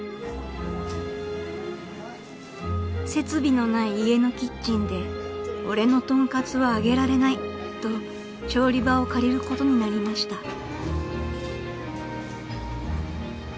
［設備のない家のキッチンで俺の豚カツは揚げられないと調理場を借りることになりました］